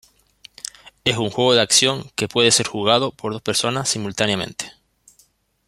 Es un juego de acción que puede ser jugado por dos personas simultáneamente.